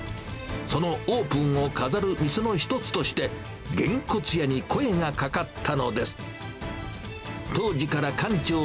そのオープンを飾る店の一つとして、げんこつ屋に声がかかったのです。